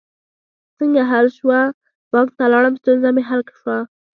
څنګه حل شوه؟ بانک ته لاړم، ستونزه می حل شوه